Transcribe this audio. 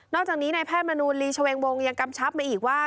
นอกจากนี้ในแพทย์มนุษย์ลีชะเวงวงยังกำชับมาอีกว่า